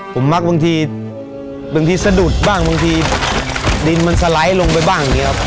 ผมมักบางทีบางทีสะดุดบ้างบางทีดินมันสไลด์ลงไปบ้างอย่างนี้ครับ